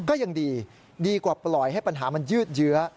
ก็ยังดีดีกว่าปล่อยให้ปัญหามันยืดเยื้อ